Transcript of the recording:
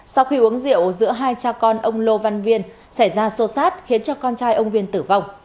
sau khi uống rượu giữa hai cha con ông lô văn viên xảy ra xô xát khiến cho con trai ông viên tử vong